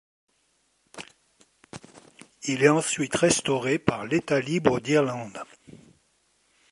Il est ensuite restauré par l’État libre d'Irlande.